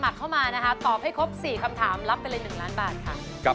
ต้องสู้ฝ่าฝันไปด้วยกันนะ